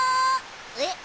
えっ？